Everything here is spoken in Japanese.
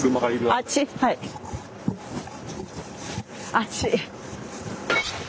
あっち。